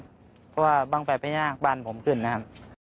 เพราะว่าบางแฟนพญานาคบ้านผมขึ้นนะครับ